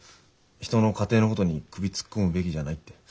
人の家庭のことに首突っ込むべきじゃないって。